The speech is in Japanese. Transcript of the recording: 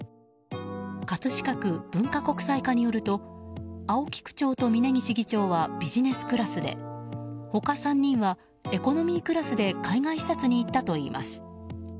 葛飾区文化国際課によると青木区長と峯岸議長はビジネスクラスで他３人はエコノミークラスで海外視察に行ったといいます。